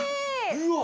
うわっ。